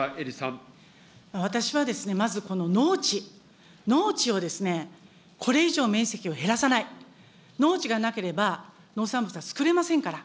私はですね、まずこの農地、農地をこれ以上面積を減らさない、農地がなければ農産物はつくれませんから。